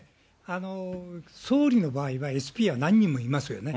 総理の場合はＳＰは何人もいますよね。